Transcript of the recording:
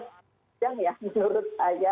banyak ya menurut saya